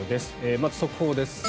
まず速報です。